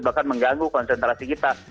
bahkan mengganggu konsentrasi kita